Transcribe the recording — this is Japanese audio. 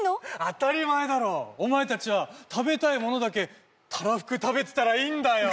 当たり前だろお前達は食べたいものだけたらふく食べてたらいいんだよ